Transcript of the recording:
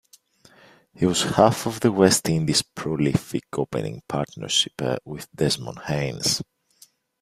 He was half of the West Indies prolific opening partnership with Desmond Haynes.